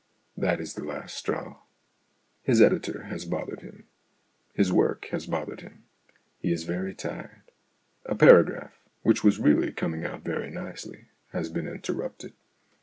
That is the last straw. His editor has bothered him. His work has bothered him. He is very tired. A paragraph which was really coming out very nicely has been interrupted.